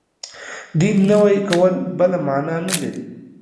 دین نوی کول بله معنا نه لري.